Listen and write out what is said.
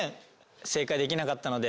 正解できなかったので。